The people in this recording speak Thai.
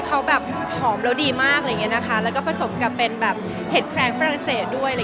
เขาแบบหอมแล้วดีมากอะไรอย่างนี้นะคะแล้วก็ผสมกับเป็นแบบเห็ดแคลงฝรั่งเศสด้วย